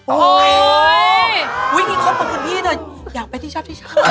โอ้โฮอุ๊ยเขาเป็นคุณพี่เถอะอยากไปที่ชอบ